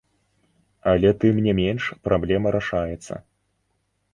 Але тым не менш праблема рашаецца.